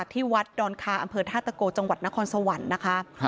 ที่วัดดอนคาอำเภอธาตะโกจังหวัดนครสวรรค์นะคะ